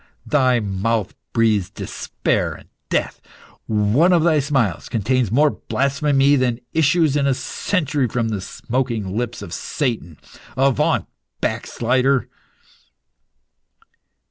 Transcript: Thy mouth breathes despair and death. One of thy smiles contains more blasphemy than issues in a century from the smoking lips of Satan. Avaunt, backslider!"